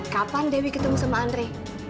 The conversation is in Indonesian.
kapan dewi ketemu sama andre